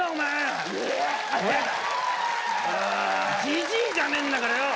じじいじゃねえんだからよ。